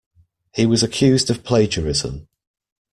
He was accused of plagiarism.